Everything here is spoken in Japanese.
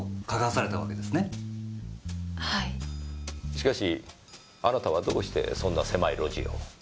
しかしあなたはどうしてそんな狭い路地を？